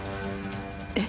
えっ？